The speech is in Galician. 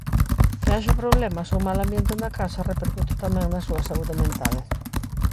Que haxa problemas ou mal ambiente na casa repercute tamén na súa saúde mental.